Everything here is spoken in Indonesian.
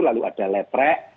lalu ada letrek